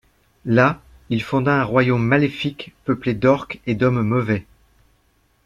Là, il fonda un royaume maléfique peuplé d'Orques et d'hommes mauvais.